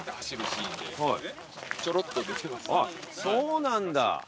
あっそうなんだ。